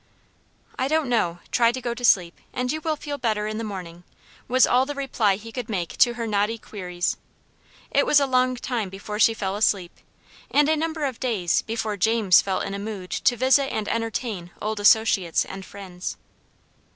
"I don't know; try to go to sleep, and you will feel better in the morning," was all the reply he could make to her knotty queries. It was a long time before she fell asleep; and a number of days before James felt in a mood to visit and entertain old associates and friends.